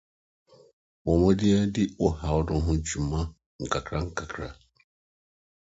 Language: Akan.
Bɔ mmɔden di wo haw no ho dwuma nkakrankakra.